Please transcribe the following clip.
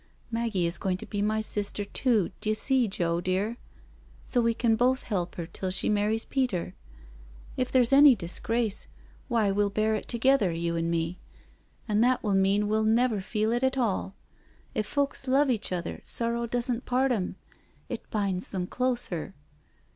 Maggie is going to be my sister too, d'you see, Joe dear, so we can both help her till she marries Peter. If there's any disgrace, why we'll bear it together, you an' me, and that will mean we'll never feel it at all. If folks love each other sorrow doesn't part them, it binds them closer.